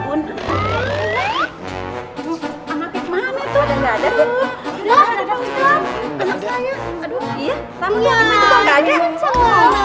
usaha ku saya mengudaptari anak saya